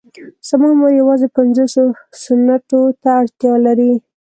زما مور يوازې پنځوسو سنټو ته اړتيا لري.